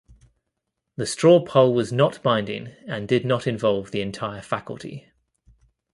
The straw poll was not binding and did not involve the entire faculty.